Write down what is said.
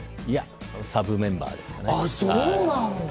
いや、サブメンバーですかね。